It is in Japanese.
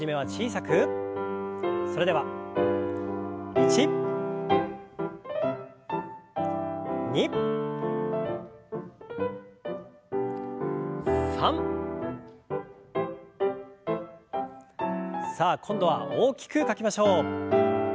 さあ今度は大きく書きましょう。